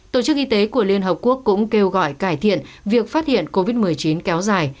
tổ chức y tế của liên hợp quốc cũng kêu gọi cải thiện việc phát hiện covid một mươi chín kéo dài